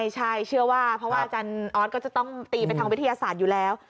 ใช่เชื่อว่าเพราะว่าอาจารย์ออสก็จะต้องตีไปทางวิทยาศาสตร์อยู่แล้ว